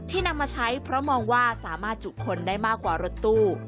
นำมาใช้เพราะมองว่าสามารถจุคนได้มากกว่ารถตู้